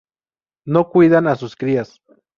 No cuidan a sus crías.